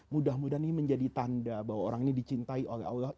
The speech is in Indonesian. mudah mudahan ini menjadi tanda bahwa orang ini dicintai oleh allah